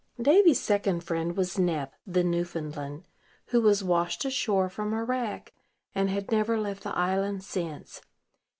Davy's second friend was Nep, the Newfoundland, who was washed ashore from a wreck, and had never left the island since.